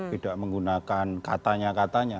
tidak menggunakan katanya katanya